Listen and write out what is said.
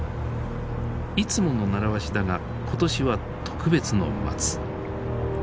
いつもの習わしだが今年は特別の松。